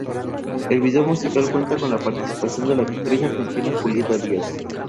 El vídeo musical cuenta con la participación de la actriz argentina Julieta Díaz.